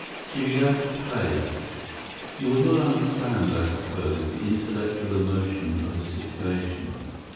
She began to play.... You would not understand, I suppose, the intellectual emotion of the situation.